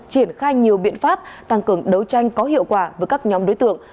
triển khai nhiều biện pháp tăng cường đấu tranh có hiệu quả với các nhóm đối tượng